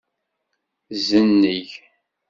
Zenneg.